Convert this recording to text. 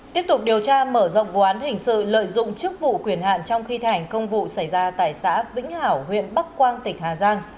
tiếp tục điều tra mở rộng vụ án hình sự lợi dụng chức vụ quyền hạn trong khi thành công vụ xảy ra tại xã vĩnh hảo huyện bắc quang tỉnh hà giang